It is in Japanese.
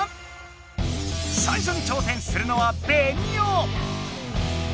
最初に挑戦するのはベニオ。